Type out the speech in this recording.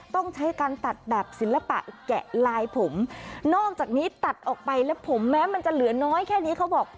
ต้องใช้การตัดแบบศิลปะแกะลายผมนอกจากนี้ตัดออกไปแล้วผมแม้มันจะเหลือน้อยแค่นี้เขาบอก